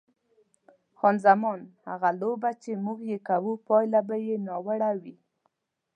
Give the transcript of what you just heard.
خان زمان: دغه لوبه چې موږ یې کوو پایله به یې ناوړه وي.